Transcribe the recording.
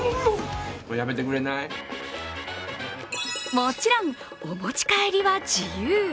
もちろんお持ち帰りは自由。